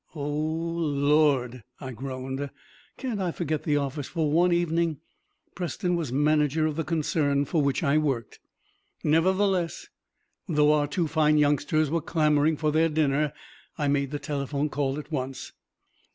"Oh, Lord," I groaned, "can't I forget the office for one evening?" Preston was manager of the concern for which I worked. Nevertheless, though our two fine youngsters were clamoring for their dinner, I made the telephone call at once.